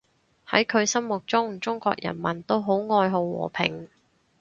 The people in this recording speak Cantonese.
喺佢心目中，中國人民都愛好和平